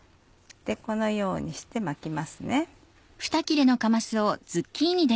このようにして巻きますね。